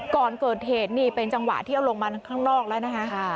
ก่อนเกิดเหตุนี่เป็นจังหวะที่เอาลงมาข้างนอกแล้วนะคะ